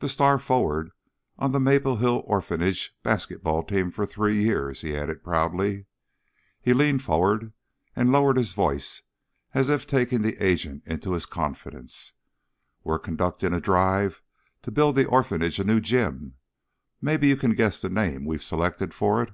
The star forward of the Maple Hill Orphanage basketball team for three years," he added proudly. He leaned forward and lowered his voice as if taking the agent into his confidence. "We're conducting a drive to build the orphanage a new gym. Maybe you can guess the name we've selected for it?"